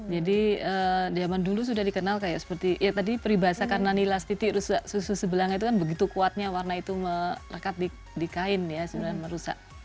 ya zaman dulu sudah dikenal seperti ya tadi peribahasakan nani lastiti rusak susu sebelangnya itu kan begitu kuatnya warna itu melekat di kain ya sebenarnya merusak